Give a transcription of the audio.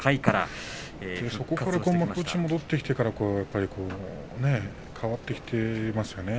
こっちに戻ってきてから変わってきていますよね。